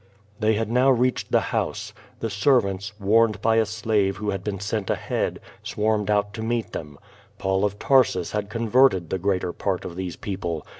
They had now reached the house. The ser\'ants, warned by a slave who had been sent ahead, swarmed out to meet them. Paul of Tarsus had converted the greater part of these people.